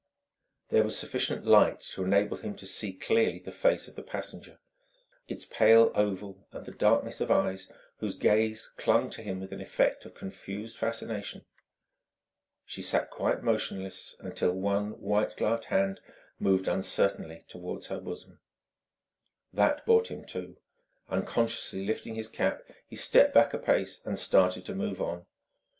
There was sufficient light to enable him to see clearly the face of the passenger its pale oval and the darkness of eyes whose gaze clung to his with an effect of confused fascination.... She sat quite motionless until one white gloved hand moved uncertainly toward her bosom. That brought him to; unconsciously lifting his cap, he stepped back a pace and started to move on.